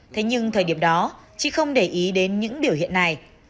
thế nhưng thời điểm đó chị không để ý đến những biểu hiện này